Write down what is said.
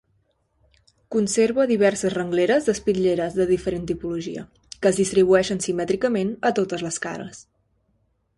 Conserva diverses rengleres d'espitlleres de diferent tipologia, que es distribueixen simètricament a totes les cares.